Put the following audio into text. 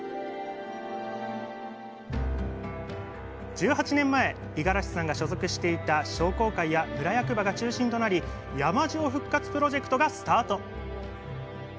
１８年前五十嵐さんが所属していた商工会や村役場が中心となり山塩復活プロジェクトがスタート